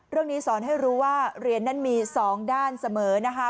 เรื่องนี้สอนให้รู้ว่าเรียนนั้นมี๒ด้านเสมอนะคะ